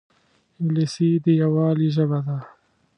انګلیسي د یووالي ژبه ده